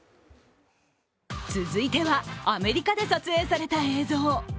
続いては、アメリカで撮影された映像。